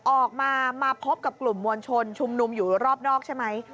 ออกมามาพบกับกลุ่มมวลชนชุมนุมอยู่รอบนอกใช่ไหม